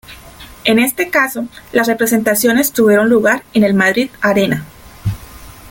En este caso, las representaciones tuvieron lugar en el Madrid Arena.